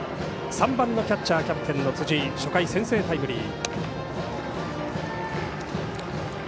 ３番のキャッチャーキャプテンの辻井初回、先制タイムリー。